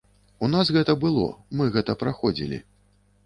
У нас гэта было, мы гэта праходзілі.